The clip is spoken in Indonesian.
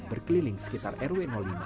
berkeliling sekitar rw lima